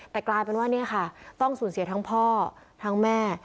แต่กลายเป็นว่าต้องสูญเสียทั้งพ่อทั้งแม่